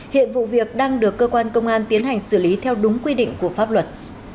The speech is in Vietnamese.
hiện vụ việc đang được cơ quan công an tiến hành xử lý theo đúng quy định của pháp luật